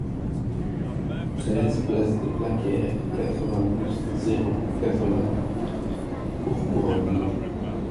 treize place des Plaquères, quatre-vingt-onze, zéro quatre-vingts, Courcouronnes